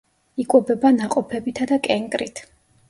იკვებება ნაყოფებითა და კენკრით.